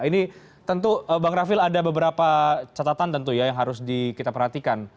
ini tentu bang rafil ada beberapa catatan tentu ya yang harus kita perhatikan